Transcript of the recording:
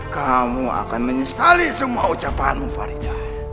kamu akan menyesali semua ucapanmu faridah